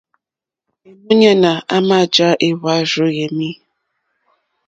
Èmúɲánà àmà jǎ éhwàrzù yámì.